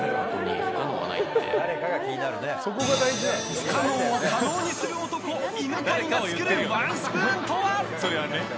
不可能を可能にする男犬飼が作るワンスプーンとは。